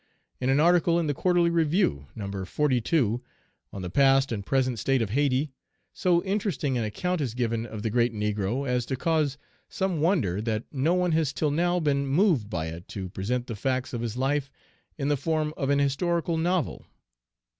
In an article in the Quarterly Review (No. XLII.) on the "Past and Present State of Hayti," so interesting Page 338 an account is given of the great negro as to cause some wonder that no one has till now been moved by it to present the facts of his life in the form of an historical novel.